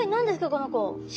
この子！